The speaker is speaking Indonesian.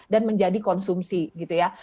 menjadi konsumsi gitu ya